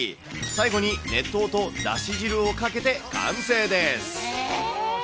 最後に熱湯とだし汁をかけて完成です。